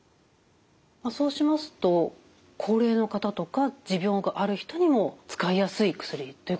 そうしますと高齢の方とか持病がある人にも使いやすい薬ということなんですね？